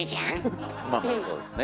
まあまあそうですね。